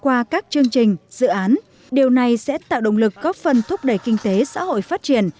qua các chương trình dự án điều này sẽ tạo động lực góp phần thúc đẩy kinh tế xã hội phát triển